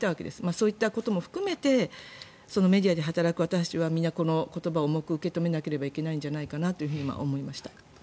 そういったことも含めてメディアで働く私たちはみんなこの言葉を重く受け止めなければいけないのではと今思いました。